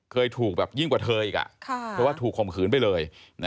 เคยถูกแบบยิ่งกว่าเธออีกเพราะว่าถูกข่มขืนไปเลย